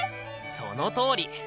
そのとおり！